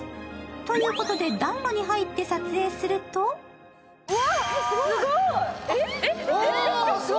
ということで暖炉に入って撮影するとすごい！